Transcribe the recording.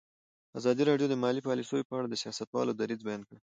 ازادي راډیو د مالي پالیسي په اړه د سیاستوالو دریځ بیان کړی.